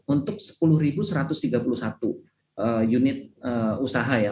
untuk sepuluh satu ratus tiga puluh satu unit usaha ya